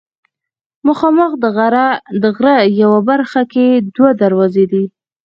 مخامخ د غره یوه برخه کې دوه دروازې دي.